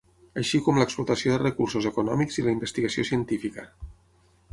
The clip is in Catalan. Així com l'explotació de recursos econòmics i la investigació científica.